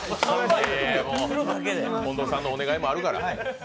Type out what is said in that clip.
近藤さんのお願いもあるから。